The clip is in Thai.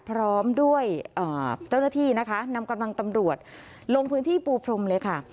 พร้อมด้วยเจ้าหน้าที่นะคะนำกำลังตำรวจลงพื้นที่ปูพรมเลยค่ะ